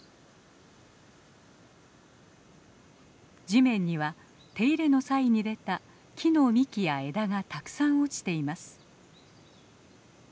地面には手入れの際に出た木の幹や枝がたくさん落ちています。